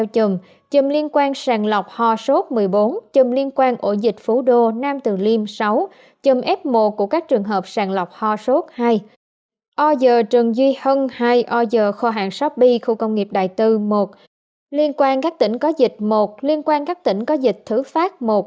bảy chồng liên quan ổ dịch sàng lọc ho sốt một mươi bốn chồng liên quan ổ dịch phú đô nam từ liêm sáu chồng f một của các trường hợp sàng lọc ho sốt hai o g trần duy hân hai o g kho hàng sóc bi khu công nghiệp đài tư một chồng liên quan các tỉnh có dịch một chồng liên quan các tỉnh có dịch thứ phát một